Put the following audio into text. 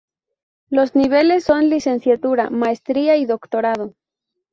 Los niveles son Licenciatura, Maestría y Doctorado.